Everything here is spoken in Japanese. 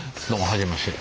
初めまして。